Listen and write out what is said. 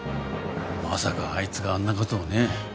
まさかあいつがあんな事をね。